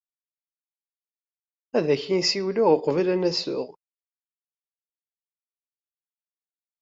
Ad ak-in-ssiwleɣ uqbel ad n-aseɣ.